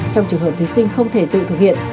trong trường hợp thí sinh không thể tự thực hiện